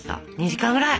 ２時間ぐらい！